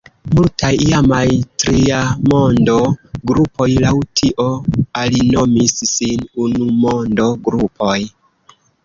Multaj iamaj “Triamondo-grupoj” laŭ tio alinomis sin “Unumondo-grupoj”.